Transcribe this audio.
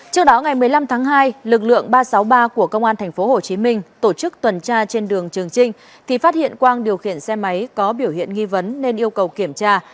trước đó ngày một mươi năm tháng hai lực lượng ba trăm sáu mươi ba của công an thành phố hồ chí minh tổ chức tuần tra trên đường trường trinh thì phát hiện quang điều khiển xe máy có biểu hiện nghi vấn nên yêu cầu kiểm tra